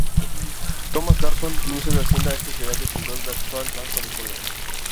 Tomás Garzón, ministro de Hacienda, es considerado el fundador del actual Banco de Córdoba.